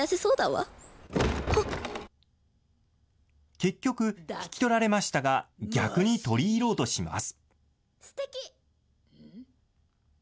結局、引き取られましたが、逆に取り入ろうとします。